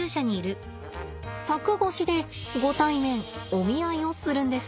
柵越しでご対面お見合いをするんです。